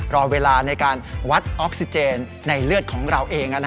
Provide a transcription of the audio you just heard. รอเวลาในการวัดออกซิเจนในเลือดของเราเอง